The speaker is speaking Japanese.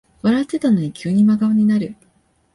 笑ってたのに急に真顔になる